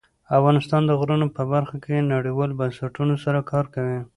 افغانستان د غرونه په برخه کې نړیوالو بنسټونو سره کار کوي.